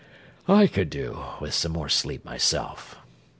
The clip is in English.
I could do with some more sleep myself."